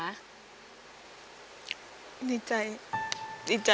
ดีใจดีใจ